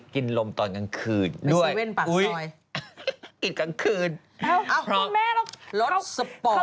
กินลมตอนกลางคืนด้วยอุ๊ยกินกลางคืนพร้อมรถสปอร์ต